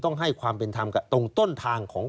ต้องให้ความเป็นธรรมกับตรงต้นทางของ